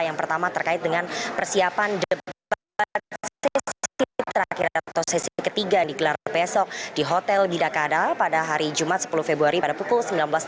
yang pertama terkait dengan persiapan debat sesi terakhir atau sesi ketiga yang digelar besok di hotel bidakada pada hari jumat sepuluh februari pada pukul sembilan belas tiga puluh